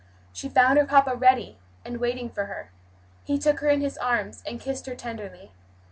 She found her papa ready, and waiting for her. He took her in his arms and kissed her tenderly.